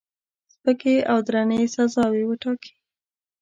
سپکې او درنې سزاوي وټاکي.